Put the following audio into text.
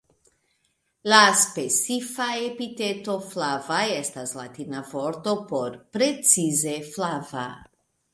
La specifa epiteto "flava" estas latina vorto por precize "flava".